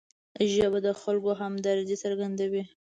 ژبه د خلکو همدردي څرګندوي